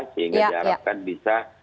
sehingga diharapkan bisa